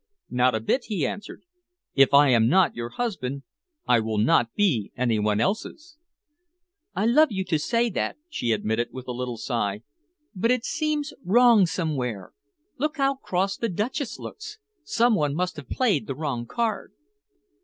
"Not a bit," he answered. "If I am not your husband, I will not be anybody else's." "I love you to say that," she admitted, with a little sigh, "but it seems wrong somewhere. Look how cross the Duchess looks! Some one must have played the wrong card."